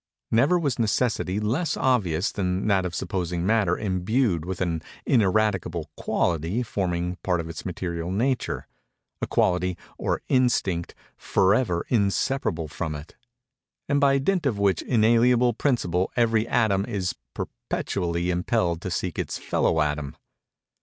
Never was necessity less obvious than that of supposing Matter imbued with an ineradicable quality forming part of its material nature—a quality, or instinct, forever inseparable from it, and by dint of which inalienable principle every atom is perpetually impelled to seek its fellow atom.